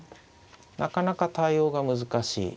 なかなか対応が難しい。